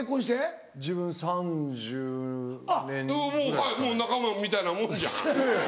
はいもう仲間みたいなもんじゃん。